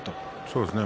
そうですね。